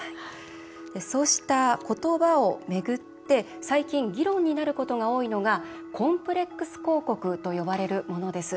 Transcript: そうした言葉を巡って最近、議論になることが多いのがコンプレックス広告と呼ばれるものです。